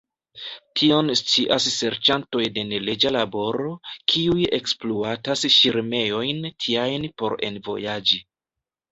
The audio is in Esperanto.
Tion scias serĉantoj de neleĝa laboro, kiuj ekspluatas ŝirmejojn tiajn por envojaĝi.